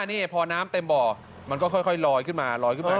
นี่พอน้ำเต็มบ่อมันก็ค่อยลอยขึ้นมาลอยขึ้นมา